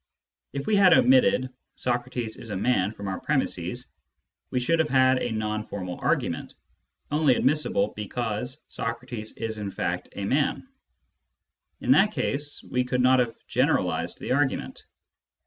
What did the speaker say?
If we had omitted " Socrates is a man " from our premisses, we should have had a non formal argument, only admissible because Socrates is in fact a man ; in that case we could not have general ised the argument.